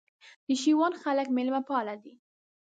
د شېوان خلک مېلمه پاله دي